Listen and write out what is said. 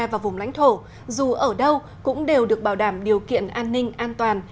và vùng lãnh thổ dù ở đâu cũng đều được bảo đảm điều kiện an ninh an toàn